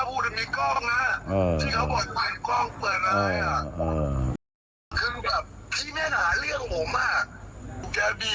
อะไรผมก็สามารถทั้งให้หมด